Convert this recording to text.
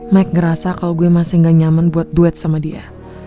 mike ngerasa kalau gue masih gak nyaman buat duet sama dia